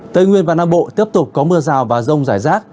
tây nguyên và nam bộ tiếp tục có mưa rào và rông rải rác